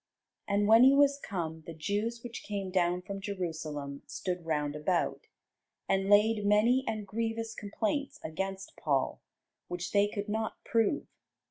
And when he was come, the Jews which came down from Jerusalem stood round about, and laid many and grievous complaints against Paul, which they could not prove.